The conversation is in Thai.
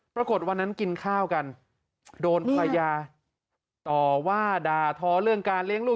ปรากฏวันนั้นกินข้าวกันโดนภรรยาต่อว่าด่าท้อเรื่องการเลี้ยงลูก